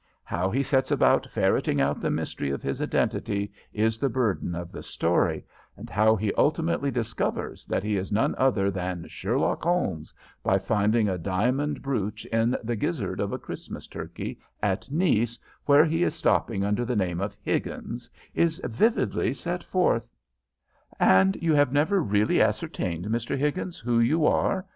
How he sets about ferreting out the mystery of his identity is the burden of the story, and how he ultimately discovers that he is none other than Sherlock Holmes by finding a diamond brooch in the gizzard of a Christmas turkey at Nice, where he is stopping under the name of Higgins, is vividly set forth: "'And you have never really ascertained, Mr. Higgins, who you are?'